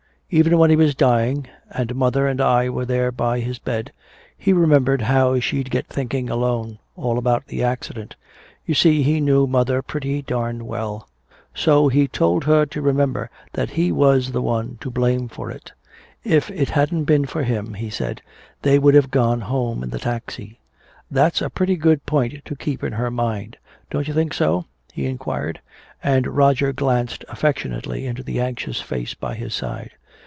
"Even when he was dying, and mother and I were there by his bed, he remembered how she'd get thinking alone all about the accident. You see he knew mother pretty darned well. So he told her to remember that he was the one to blame for it. If it hadn't been for him, he said, they would have gone home in the taxi. That's a pretty good point to keep in her mind. Don't you think so?" he inquired. And Roger glanced affectionately into the anxious face by his side.